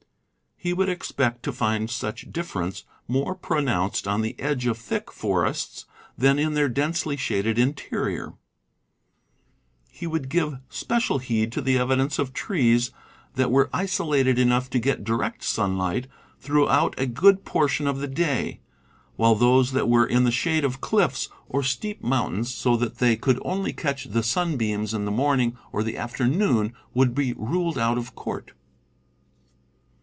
He would expect to find such difference more pronounced on the edge of thick forests than in their densely shaded interior. He would give special heed to the evidence of trees that were isolated enough to get direct sunlight through out a good portion of the day, while those that were in the shade of cliffs or steep mountains so that they 204 CAMPING AND WOODCRAFT could only catch the sunbeams in the morning or the afternoon would be ruled out of court.